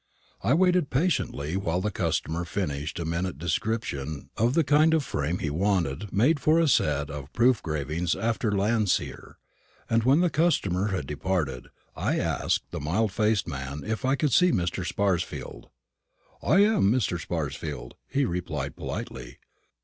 I waited patiently while the customer finished a minute description of the kind of frame he wanted made for a set of proof engravings after Landseer; and when the customer had departed, I asked the mild faced man if I could see Mr. Sparsfield. "I am Mr. Sparsfield," he replied politely.